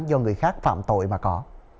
do người khác phạm tội mà có